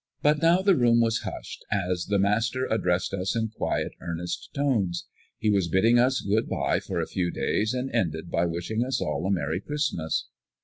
But now the room was hushed, as the master addressed us in quiet, earnest tones. He was bidding us good bye for a few days, and ended by wishing us all a Merry Christmas.